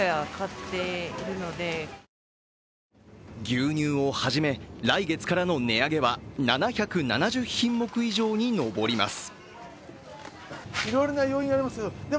牛乳をはじめ、来月からの値上げは７７０品目以上に上ります。